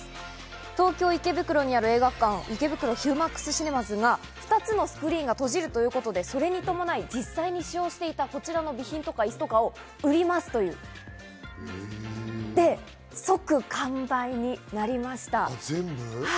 東京・池袋にある映画館・池袋ＨＵＭＡＸシネマズが、２つのスクリーンが閉じるということで、それに伴い実際に使用していたこちらの備品やイスを売りますと、即完売になりました。